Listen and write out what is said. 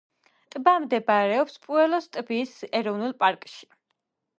ტბა მდებარეობს პუელოს ტბის ეროვნულ პარკში.